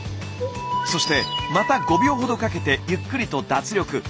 そしてまた５秒ほどかけてゆっくりと脱力。